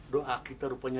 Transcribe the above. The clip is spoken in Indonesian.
doa kita rupanya